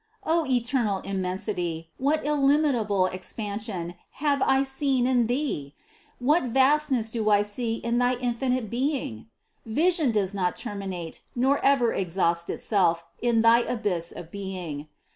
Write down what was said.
O eternal Immensity, what illimitable expansion have I seen in Thee? What vastness do I see in thy infinite Being? Vision does not terminate, nor ever exhaust itself in thy abyss of being.